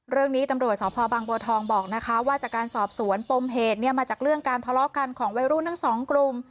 เรื่องนี้ตำรวจสพบังบัวทองบอกนะคะว่าจากการสอบสวนปมเหตุเนี่ยมาจากเรื่องการทะเลาะกันของวัยรุ่นทั้งสองกลุ่ม